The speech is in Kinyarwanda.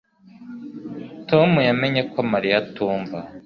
Tom yamenye ko Mariya atumva